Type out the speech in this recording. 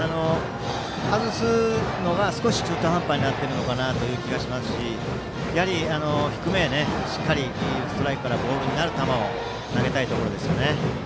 外すのが少し中途半端になっている気がしますし低めへストライクからボールになる球を投げたいところですね。